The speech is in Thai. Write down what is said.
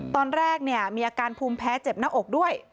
ตอนแรกเนี่ยมีอาการภูมิแพ้เจ็บหน้าอกด้วย